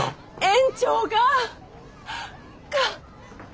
園長がか。